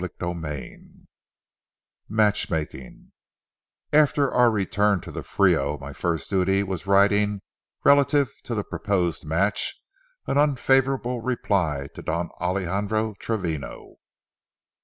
CHAPTER XVI MATCHMAKING After our return to the Frio, my first duty was writing, relative to the proposed match, an unfavorable reply to Don Alejandro Travino.